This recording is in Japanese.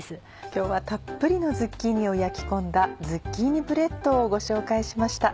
今日はたっぷりのズッキーニを焼き込んだ「ズッキーニブレッド」をご紹介しました。